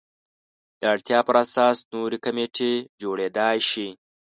د اړتیا پر اساس نورې کمیټې جوړېدای شي.